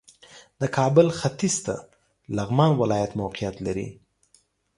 د کابل ختیځ ته لغمان ولایت موقعیت لري